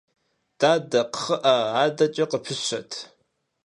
Дадэ, кхъыӀэ, адэкӀэ къыпыщэт.